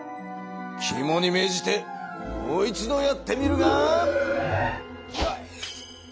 きもにめいじてもう一度やってみるがよい！